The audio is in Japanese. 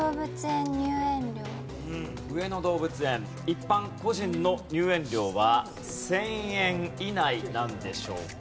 上野動物園一般・個人の入園料は１０００円以内なんでしょうか？